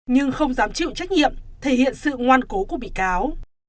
nhưng không dám chịu trách nhiệm thể hiện sự ngoan cố của bị cáo